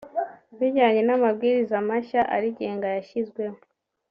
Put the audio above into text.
bijyanye n’amabwiriza mashya arigenga yashyizweho